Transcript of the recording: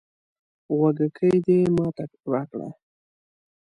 غوږيکې دې ماته راکړه